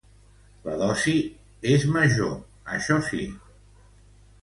La dosi és major, això sí.